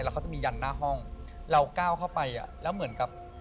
แล้วเขาจะมียันหน้าห้องเราก้าวเข้าไปอ่ะแล้วเหมือนกับ